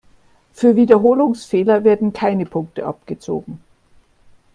Für Wiederholungsfehler werden keine Punkte abgezogen.